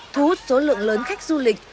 thú số lượng lớn khách du lịch